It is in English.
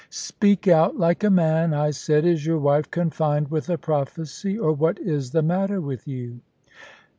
"Speak out, like a man," I said; "is your wife confined with a prophecy, or what is the matter with you?"